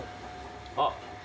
あっ。